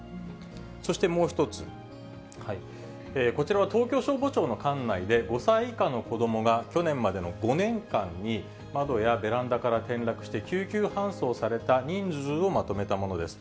そしてもう１つ、こちらは東京消防庁の管内で５歳以下の子どもが去年までの５年間に、窓やベランダから転落して、救急搬送された人数をまとめたものです。